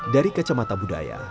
dari kacamata budaya